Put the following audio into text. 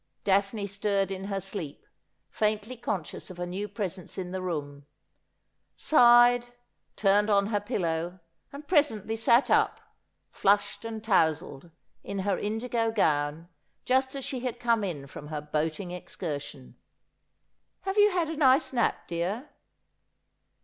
Daphne stirred in her sleep, faintly conscious of a new presence in the room, sighed, turned on her pillow, and pre sently sat up, flushed and towzled, in her indigo gown, jusC as she had come in from her boating excursion. ' Have you had a nice nap, dear